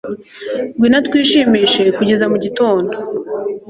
ngwino twishimishe kugeza mu gitondo